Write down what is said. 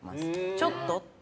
ちょっとって。